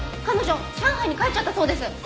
彼女上海に帰っちゃったそうです！